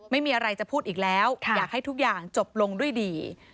ไม่มีอะไรจะพูดอีกแล้วอยากให้ทุกอย่างจบลงด้วยดี